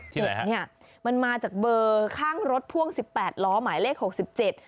เนี้ยมันมาจากเบอร์ข้างรถพ่วงสิบแปดล้อหมายเลขหกสิบเจ็ด